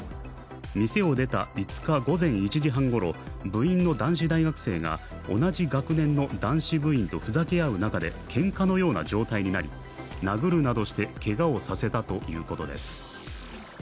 店を出た５日午前１時半ごろ部員の男子大学生が同じ学年の男子部員とふざけ合う中でけんかのような状態になり、殴るなどしてけがをさせたということです。